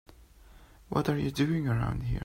What are you doing around here?